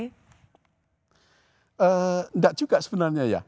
tidak juga sebenarnya ya